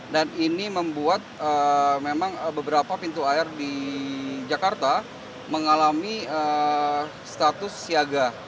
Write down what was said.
dan ini membuat memang beberapa pintu air di jakarta mengalami status siaga